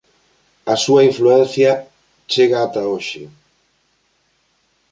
A súa influencia chega ata hoxe.